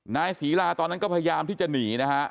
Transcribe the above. นายศรีลาตอนนั้นก็พยายามที่จะหนีนะฮะ